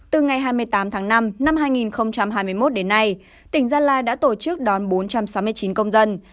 từ ngày hai mươi tám tháng năm năm hai nghìn hai mươi một đến nay tỉnh gia lai đã tổ chức đón bốn trăm sáu mươi chín công dân